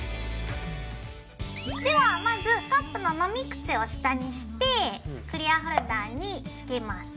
ではまずカップの飲み口を下にしてクリアホルダーにつけます。